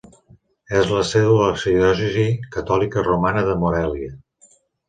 És la seu de l'arxidiòcesi catòlica romana de Morelia.